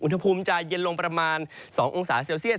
อุณหภูมิจะเย็นลงประมาณ๒องศาเซลเซียส